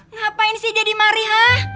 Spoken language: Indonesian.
ngapain sih jadi mari hah